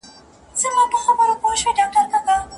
د څېړني بشپړه بریا په مزاجي یووالي پوري تړلې ده.